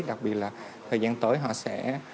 đặc biệt là thời gian tới họ sẽ